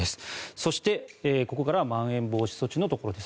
そして、ここからはまん延防止措置のところです。